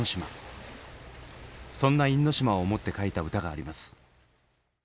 そんな因島を思って書いた歌があります。